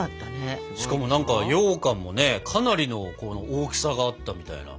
しかもようかんもねかなりの大きさがあったみたいな。